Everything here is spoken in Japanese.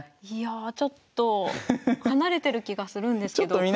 いやあちょっと離れてる気がするんですけど。